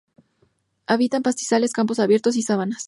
Habita en pastizales, campos abiertos y sabanas.